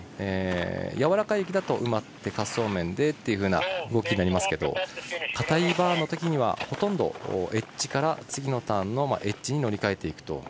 やわらかい雪だと、埋まって滑走面でというような動きになりますけどかたいバーンのときにはほとんどエッジから次のターンのエッジに乗り換えていくと。